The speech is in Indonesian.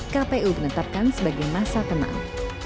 kpu menetapkan sebagai masa tenang